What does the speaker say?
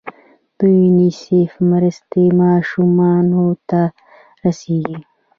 د یونیسف مرستې ماشومانو ته رسیږي؟